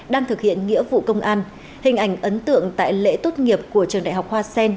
đang thực hiện nghĩa vụ công an hình ảnh ấn tượng tại lễ tốt nghiệp của trường đại học hoa sen